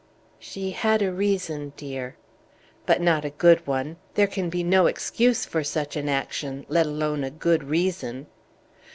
"She had a reason, dear." "But not a good one! There can be no excuse for such an action, let alone a good reason!"